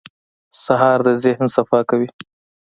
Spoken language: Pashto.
سهار د ذهن صفا کوي.